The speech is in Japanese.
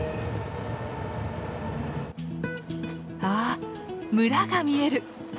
あ村が見える！